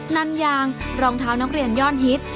นั่นยางรองเท้านักเรียนยอดฮิต